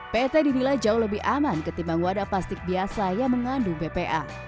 pt dinilai jauh lebih aman ketimbang wadah plastik biasa yang mengandung bpa